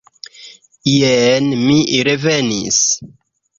Jen mi revenis!